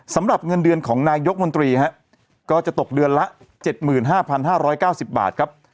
สำหรับเงินเดือนของนายกมนตรีก็จะตกเดือนละ๗๕๕๙๐บาทครับ